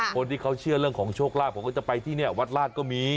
คนที่เขาเชื่อเรื่องของโชคลาภผมก็จะไปที่นี่วัดราชก็มี